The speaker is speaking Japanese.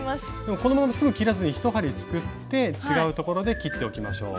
このまますぐ切らずに１針すくって違うところで切っておきましょう。